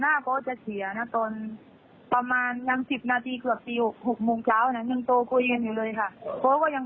เขาก็บอกซันที่เป็นเพื่อสุดเด็กที่นี่ไม่อยากมีเพื่อนชาติให้เข้ามา